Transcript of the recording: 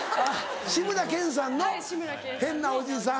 志村けんさんの変なおじさん。